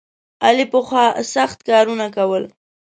علي پخوا سخت کارونه کول.